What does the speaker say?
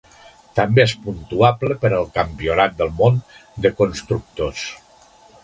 També és puntuable per al Campionat del món de constructors.